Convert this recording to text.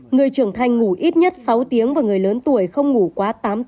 người trưởng thành ngủ ít nhất sáu tiếng và người lớn tuổi không ngủ